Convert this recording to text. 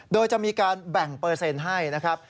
โดยจะมีการแบ่งเปอร์เซ็นต์ให้นะครับ